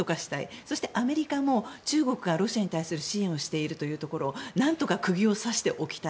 そして、アメリカも中国がロシアに対する支援をしているというところをなんとか釘を刺しておきたい。